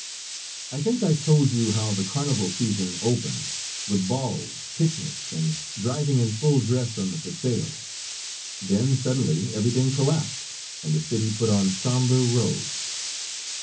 I think I told you how the carnival season opened, with balls, picnics, and driving in full dress on the paseo; then suddenly everything collapsed, and the city put on somber robes.